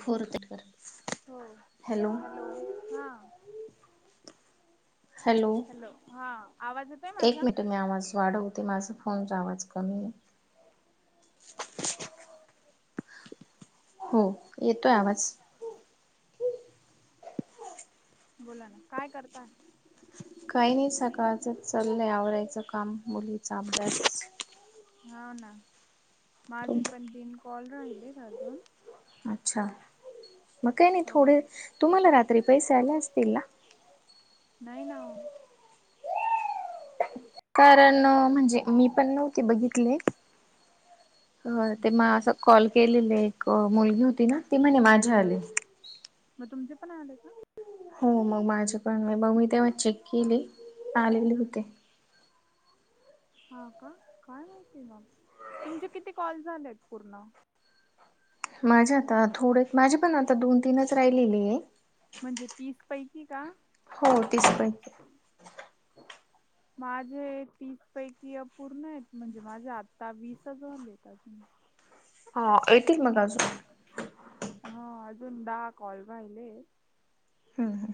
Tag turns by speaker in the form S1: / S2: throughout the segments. S1: Fourth कर
S2: हो hello हा
S1: हॅलो
S2: हा आवाज येतोय
S1: एक
S2: माझा
S1: मिनट मी आमझ वाढवते माझं आस फोनचा आवाज कमी हो येतोय आवाज
S2: बोला ना काय करताय
S1: काही नाही सकाळचं चाललं आवरायचं काम मुलीचा अभल्याचच
S2: हा ना माझे पण दिन कॉल राहिलेत अजून
S1: अच्छा मग काय नाही
S2: हो
S1: थोडे तुम्हाला रात्री पैसे आले असतील ना
S2: नाही ना
S1: कारण म्हणजे मी पण नव्हते बघितले ते असं त्यांना कॉल केलेले एक मुलगी होती ना ती म्हणे माझ्या आली
S2: मग तुमचे पण आले का
S1: हो मग माझे पण उद्या चेक केले आलेले होते
S2: हा का काय माहितीय ना तुमचे किती कॉल झालेत पूर्ण
S1: माझ्या आता थोडे माझे पण आता दोन तीनच राहिलेले आहेत
S2: म्हणजे तीस पैकी का?
S1: हो तीस पैकी
S2: माझे तीस पैकी अपूर्ण आहेत म्हणजे माझे आता वीस जालेेत अजून
S1: हा एतील ना
S2: जमील ना हा अजून दहा कॉल राहिले
S1: हुम हु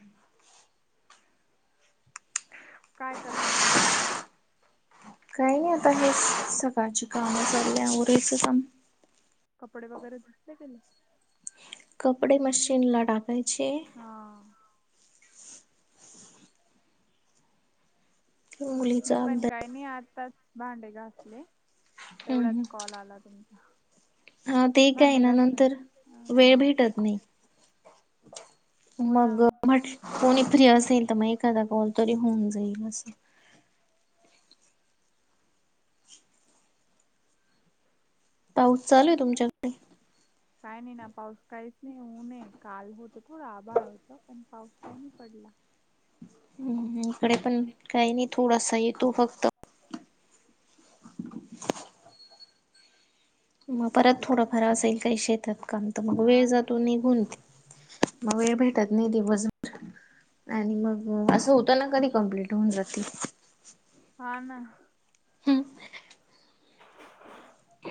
S2: काय करता तुम्ही
S1: होत आहेत सकाळची कामं ली उरायचं काम
S2: कपडे वगैरे धुसले कि नाही
S1: कपडे मशीन टाकायचे आहे
S2: हा मी
S1: मुलीचा
S2: पण काय
S1: अभ्यास
S2: नाही आताच भांडे घासले
S1: हम्म
S2: तेवढ्यात
S1: हम्म
S2: कॉल आला तुमचा
S1: हा ते काय
S2: भांडे
S1: ना
S2: घासून
S1: नंतर
S2: हा
S1: वेळ भेटत नाही
S2: हो ना.
S1: मग म्हट कोणी तरी असेल तर मग एकदा कॉल तरी होऊन जाई बस. पाऊस चालू
S2: हो
S1: आहे
S2: चाल तुमच्या
S1: [inaudible]
S2: काही नाही ना पाऊस काहीच नाही होऊनये काल होत थोडं आभाळ होत पण पाऊस काही नाही पडला
S1: इकडे पण काही नाही थोडासा येतो फक्त मग परत थोडा फार असेल काही शेतात काम तर मग वेळ
S2: हा न-
S1: जातो निघुन म वेळ भेटत नाही दिवसभर. आणि मग असं होतं ना कधी कंप्लीट होऊन जातील.
S2: हा ना.
S1: हम्म.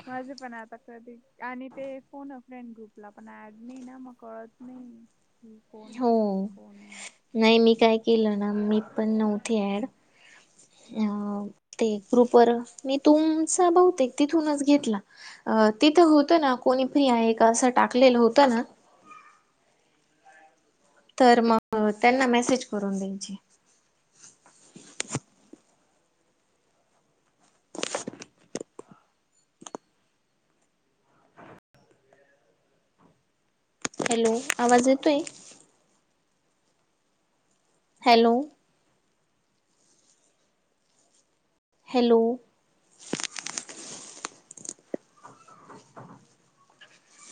S2: माझे पण आता कधी आणि ते फोन फ्रेंड ग्रुपला पण ऍड नाही ना मग कळत नाही. को कोण फ्री आहे
S1: हो
S2: कोण नाही.
S1: नाही मी काय केलं ना मी पण नव्हते ऍड
S2: हा.
S1: अ ते ग्रुप वर मी तुमचा बहुतेक तिथूनच घेतला. अ तिथं होतं ना कोणी फ्री आहे का असं टाकलेलं होतं ना तर मग त्यांना मेसेज करून द्यायची. हॅलो आवाज येतो आहे. हॅलो. हॅलो.